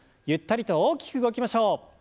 ゆったりと大きく動きましょう。